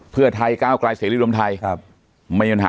เพื่อไทยกล้าวกลายเสร็จรวมทัย